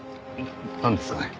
なんですかね？